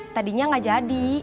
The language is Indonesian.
tadinya gak jadi